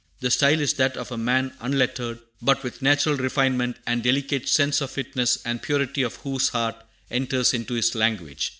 The style is that of a man unlettered, but with natural refinement and delicate sense of fitness, the purity of whose heart enters into his language.